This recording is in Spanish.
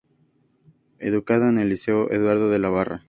Educado en el Liceo Eduardo de la Barra.